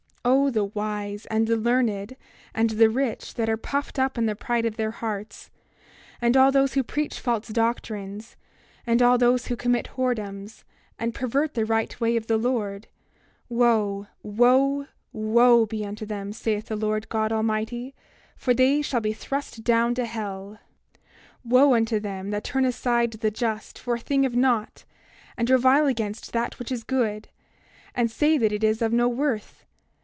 28:15 O the wise, and the learned, and the rich, that are puffed up in the pride of their hearts, and all those who preach false doctrines, and all those who commit whoredoms, and pervert the right way of the Lord, wo, wo, wo be unto them, saith the Lord God Almighty, for they shall be thrust down to hell! 28:16 Wo unto them that turn aside the just for a thing of naught and revile against that which is good, and say that is of no worth!